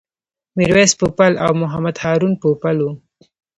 میرویس پوپل او محمد هارون پوپل و.